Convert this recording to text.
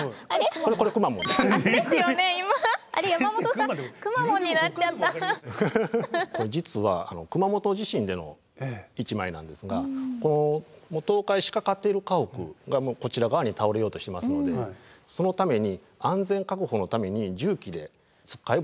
これ実は熊本地震での一枚なんですがこの倒壊しかかっている家屋がこちら側に倒れようとしてますのでそのために安全確保のために重機でつっかえ棒のような役割を。